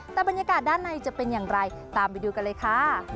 แต่บรรยากาศด้านในจะเป็นอย่างไรตามไปดูกันเลยค่ะ